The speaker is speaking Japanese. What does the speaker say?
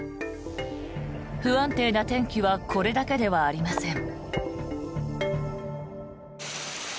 不安定な天気はこれだけではありません。